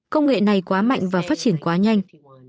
công nghệ này quá mạnh và phát triển quá nhanh